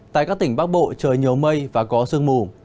tại các tỉnh bắc bộ trời nhiều mây và có sương mù